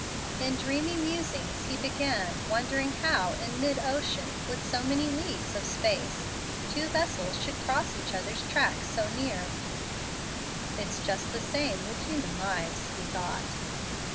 In dreamy musing he began, wondering how, in mid ocean, with so many leagues of space, two vessels should cross each other's track so near. "It's just the same with human lives," he thought.